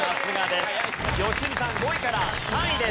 良純さん５位から３位です。